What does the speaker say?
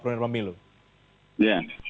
penundaan pemilu ya